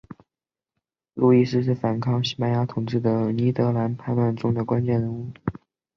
路易斯是反抗西班牙统治的尼德兰叛乱中关键人物。